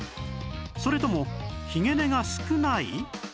それともひげ根が少ない？